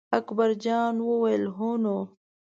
اکبر جان وویل: هو نو.